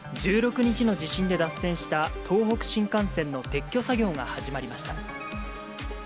１６日の地震で脱線した東北新幹線の撤去作業が始まりました。